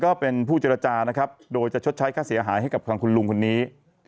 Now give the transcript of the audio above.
ก็เป็นผู้เจรจานะครับโดยจะชดใช้ค่าเสียหายให้กับทางคุณลุงคนนี้